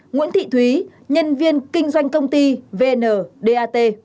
tám nguyễn thị thúy nhân viên kinh doanh công ty